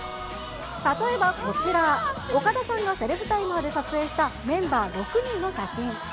例えばこちら、岡田さんがセルフタイマーで撮影した、メンバー６人の写真。